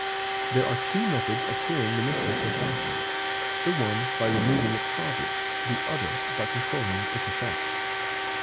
There are two methods of curing the mischiefs of faction: the one, by removing its causes; the other, by controlling its effects.